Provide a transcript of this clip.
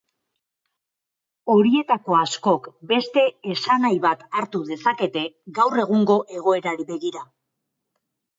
Horietako askok beste esanahi bat hartu dezakete gaur egungo egoerari begira.